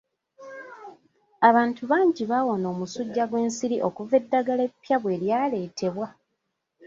Abantu bangi bawona omusujja gw'ensiri okuva eddagala eppya bwe lyaleetebwa.